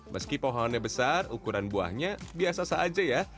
meski pohonnya besar ukuran buahnya biasa saja ya